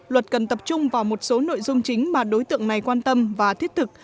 luật cần tập trung vào một số nội dung chính mà đối tượng này quan tâm và thiết thực